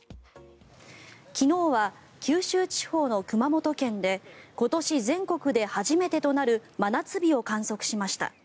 昨日は九州地方の熊本県で今年全国で初めてとなる真夏日を観測しました。